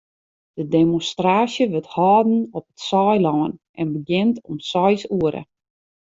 De demonstraasje wurdt hâlden op it Saailân en begjint om seis oere.